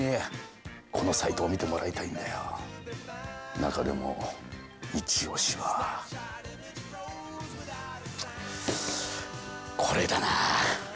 中でもイチオシはこれだなあ。